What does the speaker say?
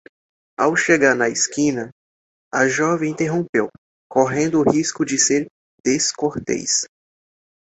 Ao chegar na esquina, a jovem interrompeu, correndo o risco de ser descortês.